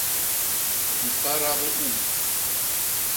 Bipada bi um.